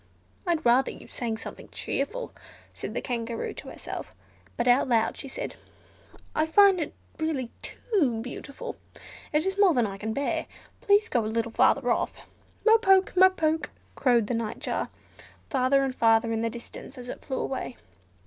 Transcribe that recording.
"I'd rather you sang something cheerful," said the Kangaroo to herself, but out loud she said, "I find it really too beautiful, it is more than I can bear. Please go a little further off." "Mo poke! mo poke!!" croaked the Nightjar, further and further in the distance, as it flew away.